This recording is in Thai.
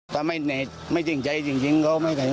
ถ้าไม่ในจริงจริงเขาก็ไม่ใส่